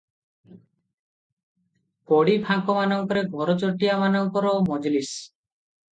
କଡ଼ି ଫାଙ୍କମାନଙ୍କରେ ଘରଚଟିଆ ମାନଙ୍କର ମଜଲିସ୍ ।